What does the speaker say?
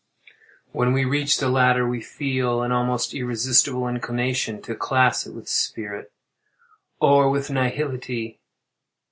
When we reach the latter, we feel an almost irresistible inclination to class it with spirit, or with nihility.